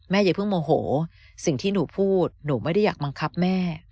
อย่าเพิ่งโมโหสิ่งที่หนูพูดหนูไม่ได้อยากบังคับแม่